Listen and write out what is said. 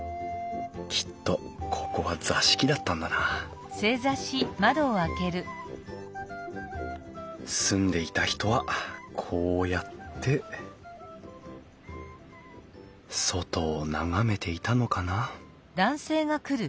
きっとここは座敷だったんだな住んでいた人はこうやって外を眺めていたのかな？